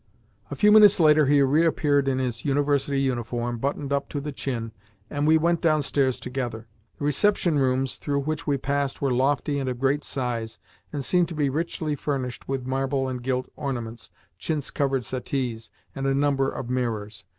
A few minutes later he reappeared in his University uniform, buttoned up to the chin, and we went downstairs together. The reception rooms through which we passed were lofty and of great size, and seemed to be richly furnished with marble and gilt ornaments, chintz covered settees, and a number of mirrors.